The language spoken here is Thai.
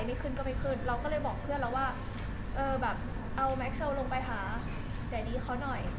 เดี๋ยวหนีเขาหน่อย